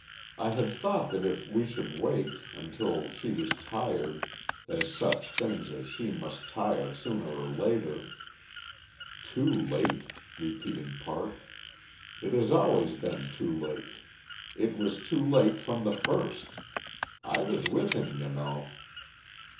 I had thought that if we should wait until she was tired as such as she must tire sooner or later " "Too late?" repeated Park. "It has always been too late. It was too late from the first. I was with him, you know."